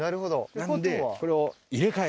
なんでこれを。